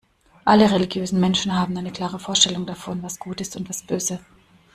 Alle religiösen Menschen haben eine klare Vorstellung davon, was gut ist und was böse.